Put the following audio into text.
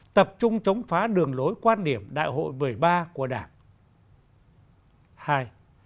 một tập trung chống phá đường lối quan điểm đại hội một mươi ba